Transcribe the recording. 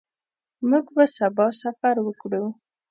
موږ به سبا سفر وکړو.